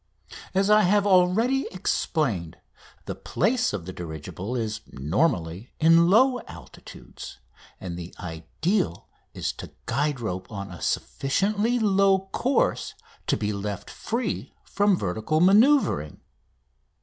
As I have already explained, the place of the dirigible is, normally, in low altitudes; and the ideal is to guide rope on a sufficiently low course to be left free from vertical manoeuvring.